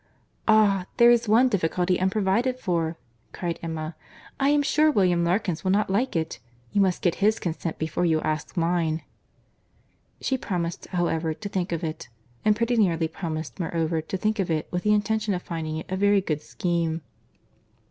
"Ah! there is one difficulty unprovided for," cried Emma. "I am sure William Larkins will not like it. You must get his consent before you ask mine." She promised, however, to think of it; and pretty nearly promised, moreover, to think of it, with the intention of finding it a very good scheme.